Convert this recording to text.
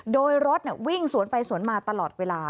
โดยรถวิ่งสวนไปสวนมาตลอดเวลา